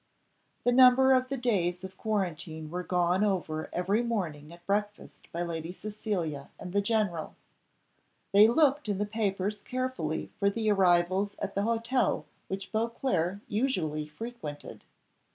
The number of the days of quarantine were gone over every morning at breakfast by Lady Cecilia and the general; they looked in the papers carefully for the arrivals at the hotel which Beauclerc usually frequented.